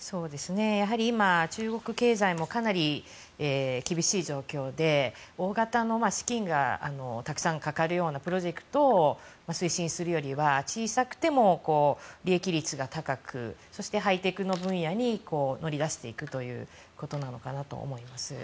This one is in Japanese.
やはり今、中国経済もかなり厳しい状況で大型の資金がたくさんかかるようなプロジェクトを推進するよりは小さくても利益率が高くそして、ハイテクの分野に取り出していくということなのかなと思います。